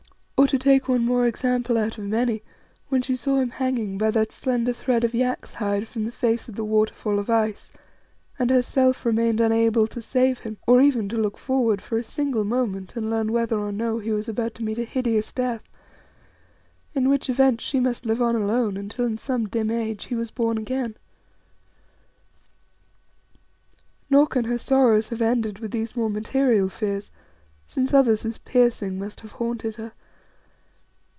Or to take one more example out of many when she saw him hanging by that slender thread of yak's hide from the face of the waterfall of ice and herself remained unable to save him, or even to look forward for a single moment and learn whether or no he was about to meet a hideous death, in which event she must live on alone until in some dim age he was born again. Nor can her sorrows have ended with these more material fears, since others as piercing must have haunted her.